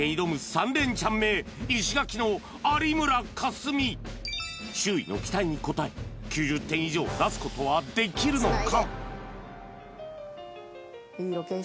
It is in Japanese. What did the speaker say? ３連チャン目石垣の有村架純周囲の期待に応え９０点以上出すことはできるのか